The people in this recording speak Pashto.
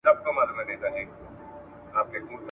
زه که د صحرا لوټه هم یم کله خو به دي په کار سم ..